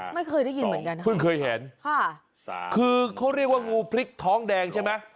เพิ่งเคยได้ยินเพิ่งเคยเห็นคือเขาเรียกว่างูพริกท้องแดงใช่ไหม